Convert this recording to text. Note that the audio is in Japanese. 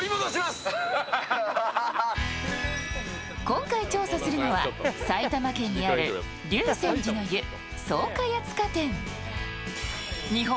今回調査するのは埼玉県にある竜泉寺の湯草加谷塚店。